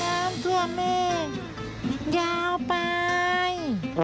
น้ำท่วมแม่ยาวไป